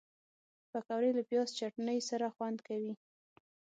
پکورې له پیاز چټني سره خوند کوي